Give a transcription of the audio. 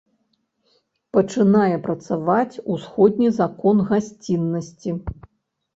Пачынае працаваць усходні закон гасціннасці.